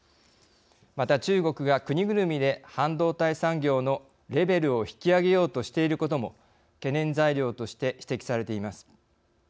また、中国が国ぐるみで半導体産業のレベルを引き上げようとしていることも懸念材料として指摘されています。